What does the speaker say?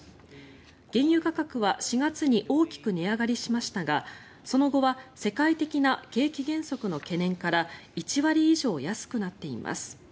原油価格は４月に大きく値上がりしましたがその後は世界的な景気減速の懸念から１割以上安くなっています。